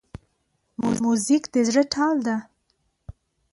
موزیک د زړه تال ده.